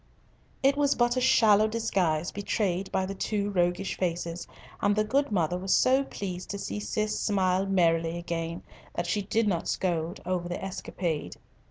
It was but a shallow disguise betrayed by the two roguish faces, and the good mother was so pleased to see Cis smile merrily again, that she did not scold over the escapade.